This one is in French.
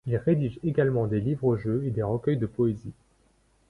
Il rédige également des livres-jeux et des recueils de poésie.